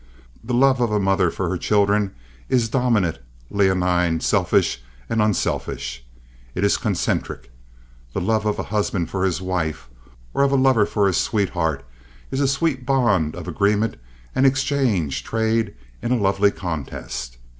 The love of a mother for her children is dominant, leonine, selfish, and unselfish. It is concentric. The love of a husband for his wife, or of a lover for his sweetheart, is a sweet bond of agreement and exchange trade in a lovely contest.